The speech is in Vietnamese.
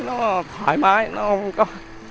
nó thoải mái nó không có